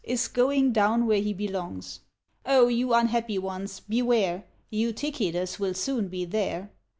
Is going down where he belongs. O you unhappy ones, beware : Eutychides will soon be there